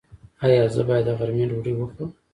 ایا زه باید د غرمې ډوډۍ وخورم؟